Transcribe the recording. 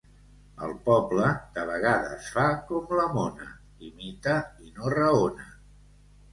El poble de vegades fa com la mona, imita i no raona.